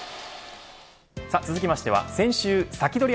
続きましては、先週サキドリ！